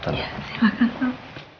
ya silahkan pak